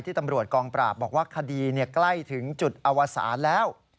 ตำรวจกองปราบบอกว่าคดีใกล้ถึงจุดอวสารแล้ว